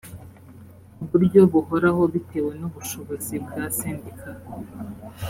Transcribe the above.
uburyo buhoraho bitewe n’ubushobozi bwa sendika